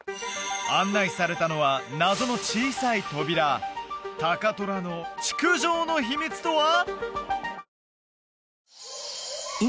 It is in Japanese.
案内されたのは謎の小さい扉高虎の築城の秘密とは！？